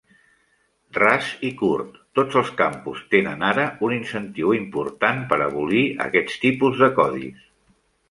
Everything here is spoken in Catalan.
Ras i curt, tots els campus tenen ara un incentiu important per abolir aquest tipus de codis.